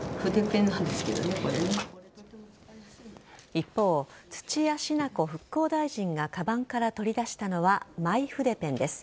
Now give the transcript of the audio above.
一方、土屋品子復興大臣がかばんから取り出したのはマイ筆ペンです。